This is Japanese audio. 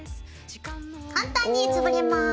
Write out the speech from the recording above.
簡単につぶれます。